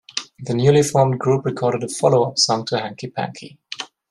The newly formed group recorded a follow-up song to "Hanky Panky".